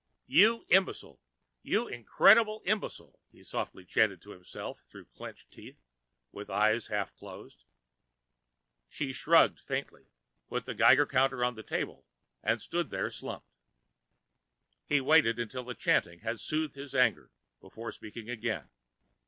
"You imbecile, you incredible imbecile," he softly chanted to himself through clenched teeth, with eyes half closed. She shrugged faintly, put the Geiger counter on the table, and stood there slumped. He waited until the chanting had soothed his anger, before speaking again.